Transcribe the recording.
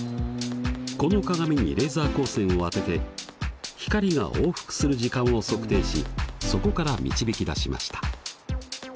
この鏡にレーザー光線を当てて光が往復する時間を測定しそこから導き出しました。